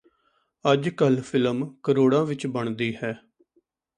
ਅੱਜ ਕੱਲ੍ਹ ਫਿਲਮ ਕਰੋੜਾਂ ਵਿਚ ਬਣਦੀ ਹੈ